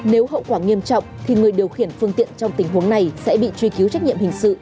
nếu hậu quả nghiêm trọng thì người điều khiển phương tiện trong tình huống này sẽ bị truy cứu trách nhiệm hình sự